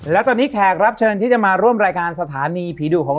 และตอนนี้แขกรับเชิญที่จะมาร่วมรายการสถานีผีดุของ